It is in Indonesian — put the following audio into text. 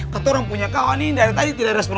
keturang punya kawannya ini dari tadi tidak respon